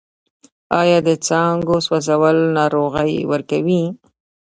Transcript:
آیا د څانګو سوځول ناروغۍ ورکوي؟